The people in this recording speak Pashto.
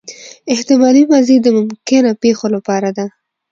احتمالي ماضي د ممکنه پېښو له پاره ده.